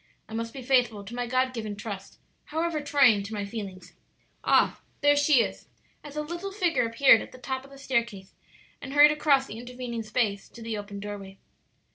I must be faithful to my God given trust, however trying to my feelings. Ah, there she is!" as a little figure appeared at the top of the staircase and hurried across the intervening space to the open doorway.